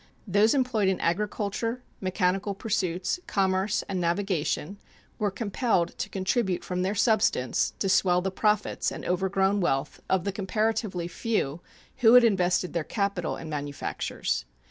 Those employed in agriculture, mechanical pursuits, commerce, and navigation were compelled to contribute from their substance to swell the profits and overgrown wealth of the comparatively few who had invested their capital in manufactures.